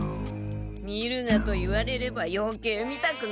見るなと言われればよけい見たくなるものです。